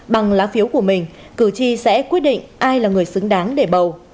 bằng lá phiếu của mình cử tri sẽ quyết định ai là người xứng đáng để bầu